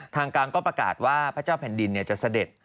ทางการก็ประกาศว่าพระเจ้าแผ่นดินจะเสด็จ